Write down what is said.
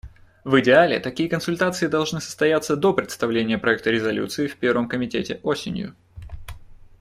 В идеале, такие консультации должны состояться до представления проекта резолюции в Первом комитете осенью.